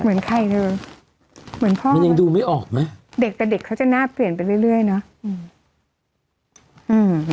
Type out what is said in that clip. เหมือนใครเลยเหมือนพ่อมันยังดูไม่ออกไหมเด็กแต่เด็กเขาจะน่าเปลี่ยนไปเรื่อยเรื่อยเนอะอืม